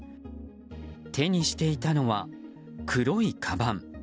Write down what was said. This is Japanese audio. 手にしていたのは黒いかばん。